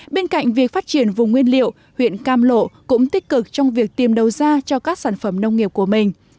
bên cạnh việc phát triển vùng nguyên liệu huyện cam lộ cũng tích cực trong việc tiêm đầu ra cho các sản phẩm nông nghiệp của mình